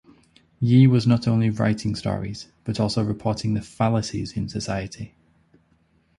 Ye was not only writing stories, but also reporting the fallacies in society.